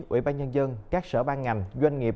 ủy ban nhân dân các sở ban ngành doanh nghiệp